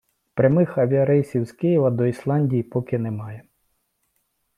Прямих авіарейсів з Києва до Ісландії поки немає.